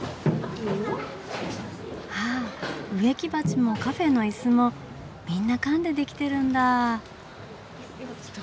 あ植木鉢もカフェーのいすもみんな缶で出来てるんだ。